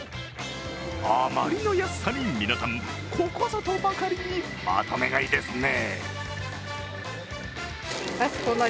あまりの安さに皆さん、ここぞとばかりに、まとめ買いですね。